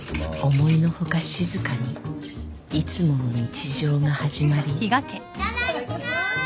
［思いの外静かにいつもの日常が始まり］いただきます！